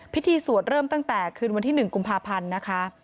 พิธีสวดเริ่มตั้งแต่คืนวันที่๑กุมภาพันธ์นะคะ